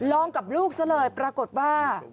ลองกับลูกซะเลยปรากฏว่า